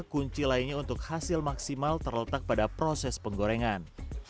kunci lainnya untuk hasil maksimal terletak pada proses penggorengan